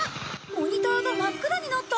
モニターが真っ暗になった！